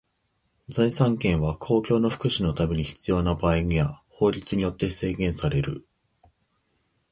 財産権は公共の福祉のために必要な場合には法律によって制限される。